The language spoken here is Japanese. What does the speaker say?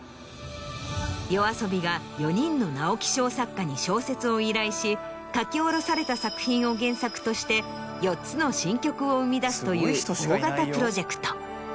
ＹＯＡＳＯＢＩが４人の直木賞作家に小説を依頼し書き下ろされた作品を原作として４つの新曲を生み出すという大型プロジェクト。